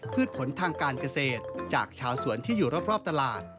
ผลทางการเกษตรจากชาวสวนที่อยู่รอบตลาด